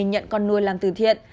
nhận con nuôi làm từ thiện